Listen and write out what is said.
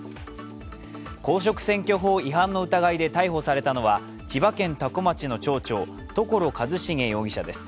公職選挙法違反の疑いで逮捕されたのは千葉県多古町の町長所一重容疑者です。